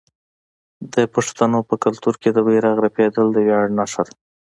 د پښتنو په کلتور کې د بیرغ رپیدل د ویاړ نښه ده.